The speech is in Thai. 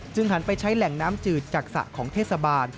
หันไปใช้แหล่งน้ำจืดจากสระของเทศบาล